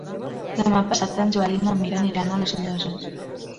Demà passat en Joel i na Mira aniran a les Llosses.